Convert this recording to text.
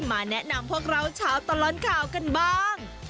มาแนะนำพวกเราเช้าตลอดข่าวกันบ้าง